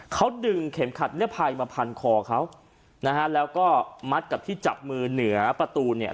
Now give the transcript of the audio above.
เขาดึงเข็มขัดเนื้อภัยมาพันคอเขานะฮะแล้วก็มัดกับที่จับมือเหนือประตูเนี่ย